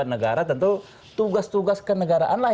negara tentu tugas tugas kenegaraan lah